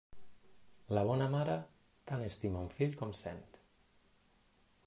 La bona mare, tant estima un fill com cent.